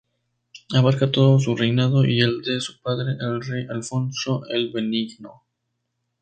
Abarca todo su reinado y el de su padre, el rey Alfonso el Benigno.